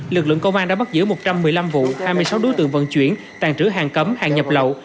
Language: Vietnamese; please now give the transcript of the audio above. lực lượng công an đã bắt giữ một trăm một mươi năm vụ hai mươi sáu đối tượng vận chuyển tàn trữ hàng cấm hàng nhập lậu